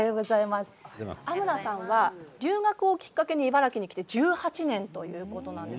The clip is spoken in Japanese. アムラさんは留学をきっかけに茨城に来て１８年ということです。